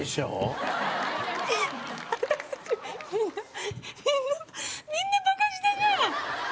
私たちみんなみんなみんなバカ舌じゃん。